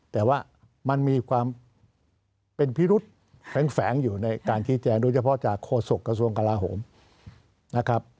แต่ว่ามันมีความเป็นพิรุษแฝงอยู่ในการชี้แจงโดยเฉพาะจากโฆษกระทรวงกลาโหมนะครับ